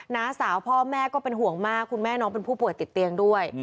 น้าสาวพ่อแม่ก็เป็นห่วงมากคุณแม่น้องเป็นผู้ป่วยติดเตียงด้วย